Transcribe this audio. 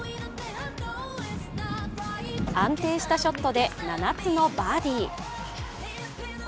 安定したショットで７つのバーディー。